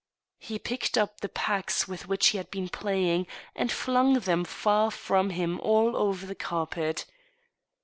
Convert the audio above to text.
" He picked up the packs with which he had been playing and flung them far from him all over the carpet.